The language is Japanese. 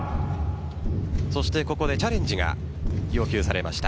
ここでチャレンジが要求されました。